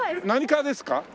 何科ですか？